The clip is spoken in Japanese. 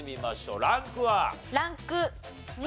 ランク２。